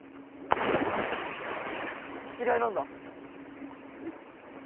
嫌いなんだ。